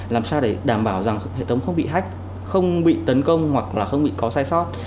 làm sao để đảm bảo rằng hệ thống không bị hách không bị tấn công hoặc là không bị có sai sót